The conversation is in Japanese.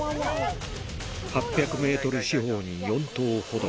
８００メートル四方に４頭ほど。